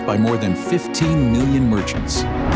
dan uang uang uang